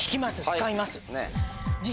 使います。